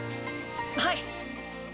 はい！